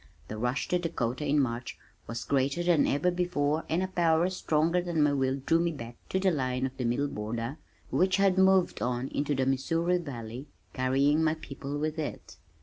The rush to Dakota in March was greater than ever before and a power stronger than my will drew me back to the line of the middle border which had moved on into the Missouri Valley, carrying my people with it.